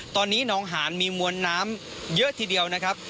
ตอนนี้น้องหานมีมวลน้ำเยอะทีเดียวนะครับ